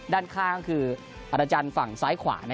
ด้านข้างก็คืออาจารย์ฝั่งซ้ายขวา